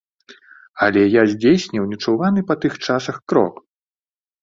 Але я здзейсніў нечуваны па тых часах крок.